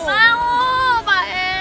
mau pak e